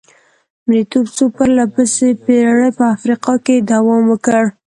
مریتوب څو پرله پسې پېړۍ په افریقا کې دوام وکړ.